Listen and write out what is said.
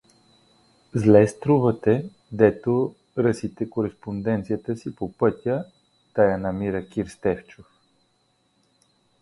Зле струвате, дето ръсите кореспонденцията си по пътя, та я намира кир Стефчов.